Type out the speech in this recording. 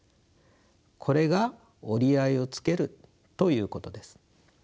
これが折り合いをつけるということです。